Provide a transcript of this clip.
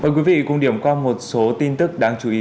mời quý vị cùng điểm qua một số tin tức đáng chú ý